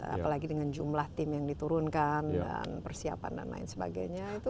apalagi dengan jumlah tim yang diturunkan dan persiapan dan lain sebagainya